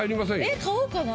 えっ買おうかな。